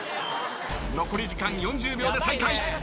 ［残り時間４０秒で再開］